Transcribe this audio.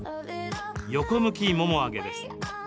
横向きもも上げです。